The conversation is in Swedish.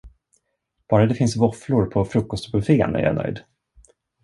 Bara det finns våfflor på frukostbuffén är jag nöjd!